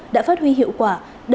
đã phát huy hiệu quả